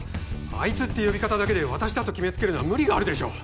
「アイツ」って呼び方だけで私だと決めつけるのは無理があるでしょう！